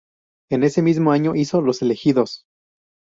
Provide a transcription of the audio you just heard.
En ese mismo año hizo "Los elegidos".